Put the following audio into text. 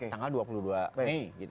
tanggal dua puluh dua mei